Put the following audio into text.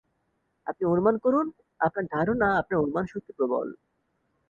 আপনি অনুমান করুন, আপনার ধারণা, আপনার অনুমানশক্তি প্রবল।